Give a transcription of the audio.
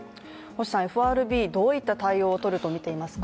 ＦＲＢ、どういった対応をとるとみていますか？